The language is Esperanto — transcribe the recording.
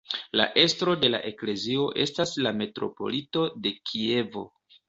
La estro de la eklezio estas la metropolito de Kievo.